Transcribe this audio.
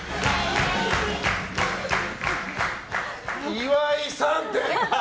岩井さん！